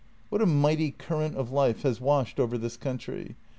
" What a mighty current of life has washed over this country!